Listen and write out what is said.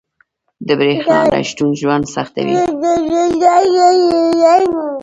• د برېښنا نه شتون ژوند سختوي.